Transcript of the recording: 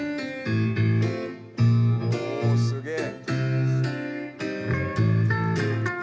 おすげえ。